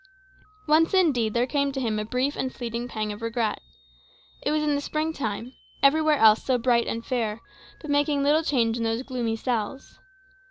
Once, indeed, there came to him a brief and fleeting pang of regret. It was in the spring time; everywhere else so bright and fair, but making little change in those gloomy cells.